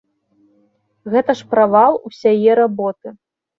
Гэта ж правал усяе работы!